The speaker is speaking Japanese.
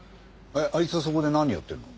あいつそこで何やってるの？